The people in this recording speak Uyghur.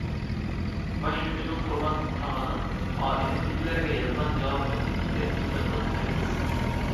باش شۇجىنىڭ قۇربان تاغىنىڭ ئائىلىسىدىكىلەرگە يازغان جاۋاب خېتى بىزگە ئىللىقلىق ئېلىپ كەلدى.